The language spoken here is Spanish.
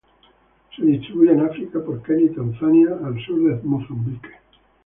Se distribuye en África por Kenia y Tanzania, al sur de Mozambique.